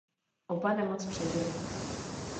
Oba nemoc přežili.